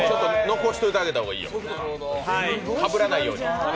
残しておいてあげた方がいいよ、かぶらないように。